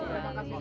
terima kasih kakak